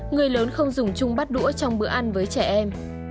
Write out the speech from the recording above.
người lớn không dùng chung bát đũa trong bữa ăn với trẻ em